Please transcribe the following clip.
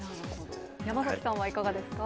山崎さんはいかがですか。